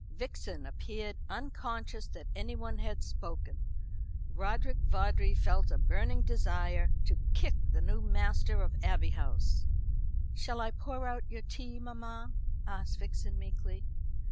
Vixen appeared unconscious that anyone had spoken. Roderick Vawdrey felt a burning desire to kick the new master of the Abbey House. "Shall I pour out your tea, mamma?" asked Vixen meekly.